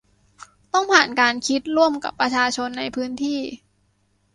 ต้องผ่านการคิดร่วมกับประชาชนในพื้นที่